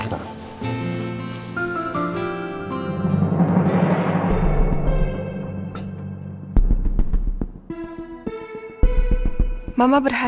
kita semua sudah berpura